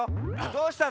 どうしたの？